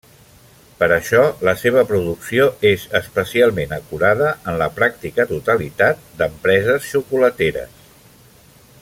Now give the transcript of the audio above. Per això la seva producció és especialment acurada en la pràctica totalitat d'empreses xocolateres.